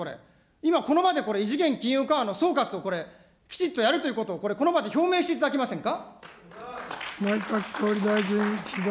今、この場でこれ、異次元金融緩和の総括を、これきちっとやるということを、この場で表明していただけませんか。